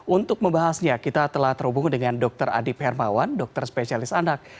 untuk membahasnya kita telah terhubung dengan dr adib hermawan dokter spesialis anak